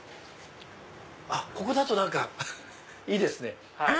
ここだと何かいいですね。